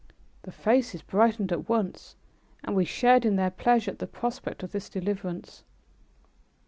The faces brightened at once, and we shared in their pleasure at the prospect of this deliverance.